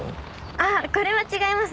あっこれは違います。